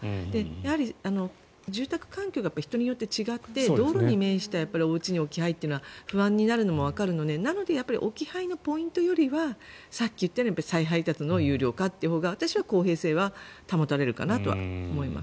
やはり住宅環境が人によって違って道路に面したおうちに置き配というのは不安になるのもわかるのでなので、置き配のポイントよりはさっき言ったように再配達の有料化というほうが私は公平性は保たれるかなと思います。